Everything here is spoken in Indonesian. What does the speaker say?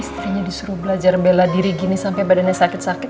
istrinya disuruh belajar bela diri gini sampai badannya sakit sakit